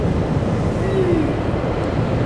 第七幕大團圓結局